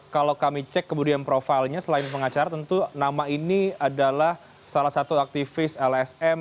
kalau kami cek kemudian profilnya selain pengacara tentu nama ini adalah salah satu aktivis lsm